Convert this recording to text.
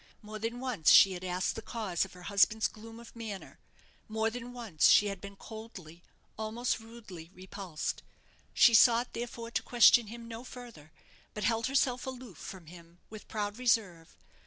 More than once she had asked the cause of her husband's gloom of manner; more than once she had been coldly, almost rudely, repulsed. She sought, therefore, to question him no further; but held herself aloof from him with proud reserve.